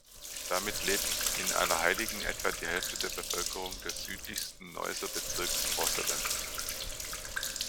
Damit lebt in Allerheiligen etwa die Hälfte der Bevölkerung des südlichsten Neusser Bezirks Rosellen.